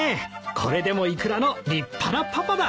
これでもイクラの立派なパパだ。